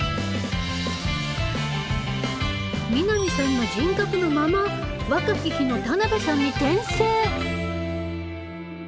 南さんの人格のまま若き日の田辺さんに転生！